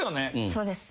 そうです。